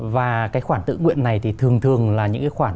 và cái khoản tự nguyện này thì thường thường là những cái khoản